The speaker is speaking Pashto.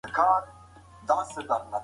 د ګرم آب وادي د قبایلو ترمنځ پوله وه.